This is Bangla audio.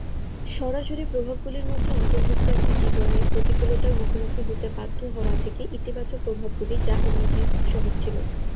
সরাসরি প্রভাবগুলির মধ্যে অন্তর্ভুক্ত একটি জীবনে প্রতিকূলতার মুখোমুখি হতে বাধ্য হওয়া থেকে ইতিবাচক প্রভাবগুলি যা অন্যথায় খুব সহজ ছিল।